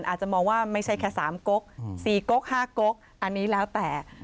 อาจจะมองว่าไม่ใช่แค่สามก๊อกสี่ก๊อกห้าก๊อกอันนี้แล้วแต่